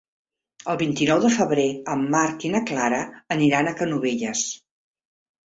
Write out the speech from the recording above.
El vint-i-nou de febrer en Marc i na Clara aniran a Canovelles.